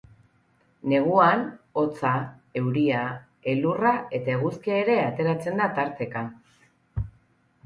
Neguan, hotza, euria, elurra eta eguzkia ere ateratzen da tarteka.